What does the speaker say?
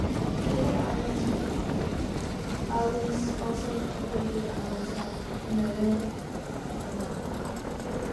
Later albums also incorporated elements of ambient and dub.